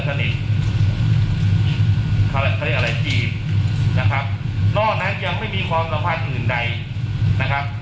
คันเรียกอะไรอิจียานะครับนอกนั้นยังไม่มีความลับขันอื่นใดนะครับ